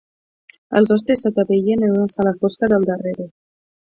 Els hostes s'atapeïen en una sala fosca del darrere